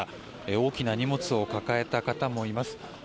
大きな荷物を抱えた方もいます。